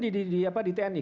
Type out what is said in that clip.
salah satunya di tni